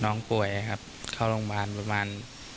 น้องป่วยครับเข้าโรงพยาบาลประมาณ